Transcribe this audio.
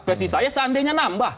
versi saya seandainya nambah